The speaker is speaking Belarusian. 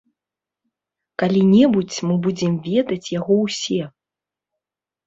Калі небудзь мы будзем ведаць яго ўсе.